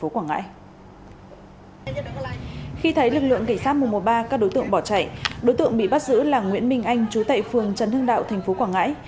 khi thấy lực lượng cảnh sát mùa ba các đối tượng bỏ chạy đối tượng bị bắt giữ là nguyễn minh anh chú tệ phường trấn hương đạo tp quảng ngãi